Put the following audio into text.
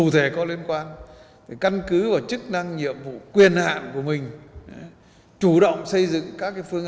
cụ thể có liên quan để căn cứ vào chức năng nhiệm vụ quyền hạn của mình chủ động xây dựng các phương